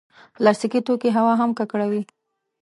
پلاستيکي توکي هوا هم ککړوي.